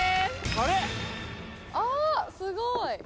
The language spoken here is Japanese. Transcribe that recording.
あすごい。